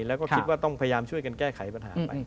แล้วก็คิดว่าต้องพยายามช่วยกันแก้ไขปัญหาไป